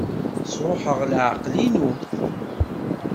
Sṛuḥeɣ leɛqel-inu.